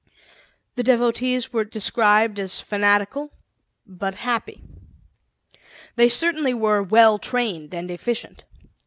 The devotees were described as fanatical, but happy. They certainly were well trained and efficient.